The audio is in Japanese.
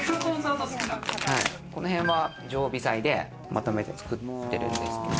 この辺は常備菜でまとめて作っているんですけど。